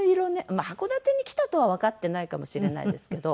まあ函館に来たとはわかってないかもしれないですけど。